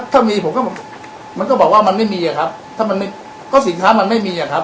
ถ้ามีผมก็มันก็บอกว่ามันไม่มีอะครับถ้ามันไม่ก็สินค้ามันไม่มีอ่ะครับ